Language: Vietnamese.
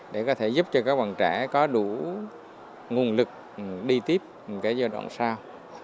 để có thể giúp cho các bạn trẻ có đủ nguồn lực đi tiếp một giai đoạn sau